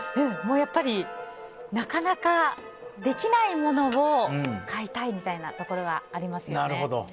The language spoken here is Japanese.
やっぱりなかなかできないものを買いたいみたいなところがありますよね。